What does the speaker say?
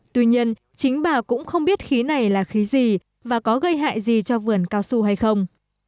tuy nhiên chính bà cũng không biết khí này là khí gì và có gây hại gì cho vườn cao su hay không